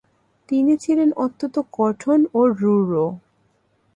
তিনি ছিলেন অত্যন্ত কঠোর ও রূঢ়।